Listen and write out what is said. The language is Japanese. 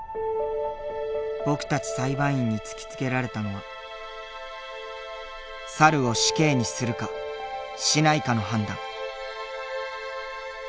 僕たち裁判員に突きつけられたのは猿を死刑にするかしないかの判断。